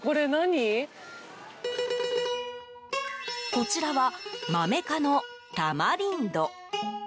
こちらはマメ科のタマリンド。